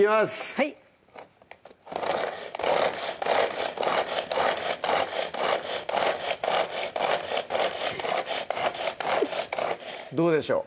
はいどうでしょう？